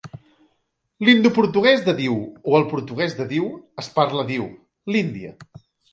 L'indoportuguès de Diu o el portuguès de Diu es parla a Diu, l'Índia.